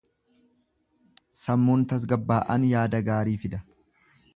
Sammuun tasgabbaa’aan yaada gaarii fida.